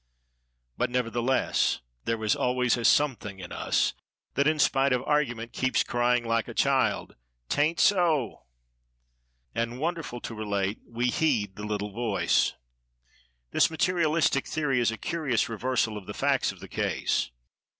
But, nevertheless, there is always a Something in us that, in spite of argument, keeps crying like a child, "'taint so!" And, wonderful to relate, we heed the little voice. This Materialistic theory is a curious reversal of the facts of the case.